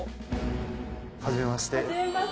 はじめまして。